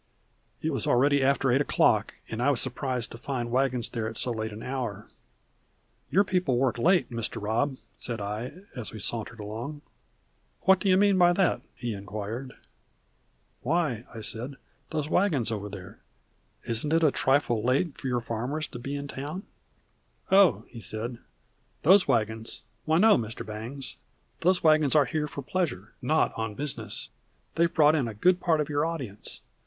It was already after eight o'clock, and I was surprised to find the wagons there at so late an hour. "Your people work late, Mr. Robb," said I, as we sauntered along. "What do you mean by that?" he inquired. "Why," said I, "those wagons over there. Isn't it a trifle late for your farmers to be in town?" "Oh," he said, "those wagons why no, Mr. Bangs. Those wagons are here for pleasure, not on business. They have brought in a good part of your audience.